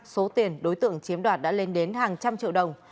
số tiền đối tượng chiếm đoạt đã lên đến hàng trăm triệu đồng